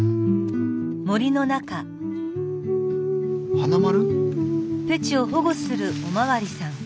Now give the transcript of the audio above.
花丸？